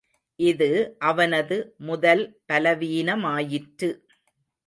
இது அவனது முதல் பலவீனமாயிற்று.